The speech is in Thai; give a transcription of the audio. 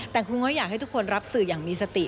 แต่ครูก็อยากให้ทุกคนรับสื่ออย่างมีสติ